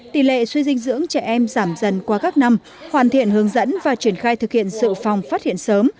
tỷ lệ suy dinh dưỡng trẻ em giảm dần qua các năm hoàn thiện hướng dẫn và triển khai thực hiện sự phòng phát hiện sớm